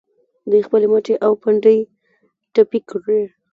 دوی خپلې مټې او پنډۍ پټې کړي.